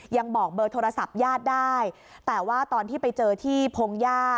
ยังบอกเบอร์โทรศัพท์ญาติได้แต่ว่าตอนที่ไปเจอที่พงหญ้า